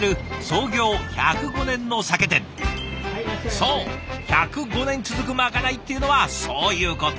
そう１０５年続くまかないっていうのはそういうこと。